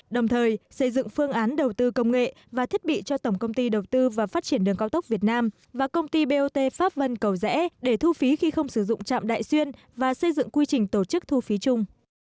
đồng thời xây dựng phương án đầu tư công nghệ và thiết bị cho tổng công ty đầu tư và phát triển đường cao tốc việt nam và công ty bot pháp vân cầu rẽ để thu phí khi không sử dụng trạm đại xuyên và xây dựng quy trình tổ chức thu phí chung